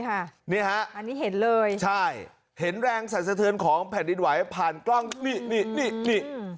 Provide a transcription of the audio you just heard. อันนี้ฮะอันนี้เห็นเลยใช่เห็นแรงสรรสะเทือนของแผ่นดินไหวผ่านกล้องนี่นี่นี่